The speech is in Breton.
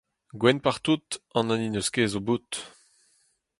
Gwenn partout, an hini 'neus ket 'zo bout